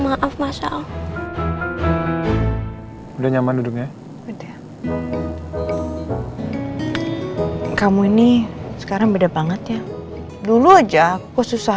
maaf masya allah udah nyaman duduknya beda kamu ini sekarang beda banget ya dulu aja aku susah